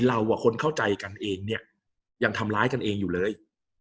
เราอ่ะคนเข้าใจกันเองเนี่ยยังทำร้ายกันเองอยู่เลย